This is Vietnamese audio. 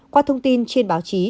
qua thông tin trên báo chí